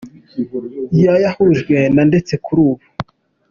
ya yahujwe na ndetse kuri ubu.